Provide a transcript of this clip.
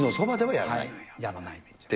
やらない。